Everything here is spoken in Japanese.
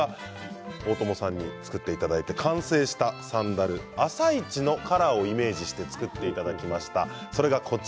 大友さんに作っていただいて完成したサンダル「あさイチ」のカラーをイメージして作っていただきました。